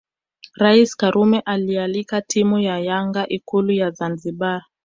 Rais Karume aliialika timu ya Yanga Ikulu ya Zanzibar